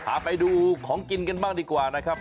เอาไปดูของกินกันบ้างดีกว่านะครับ